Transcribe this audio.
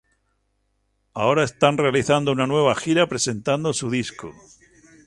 Ahora están realizando una nueva gira presentando su disco.